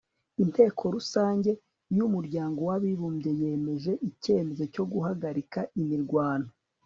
inteko rusange y'umuryango w'abibumbye yemeje icyemezo cyo guhagarika imirwano